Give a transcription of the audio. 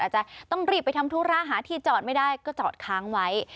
อาจจะต้องรีบไปทำธุระหาที่จอดไม่ได้ก็จอดค้างไว้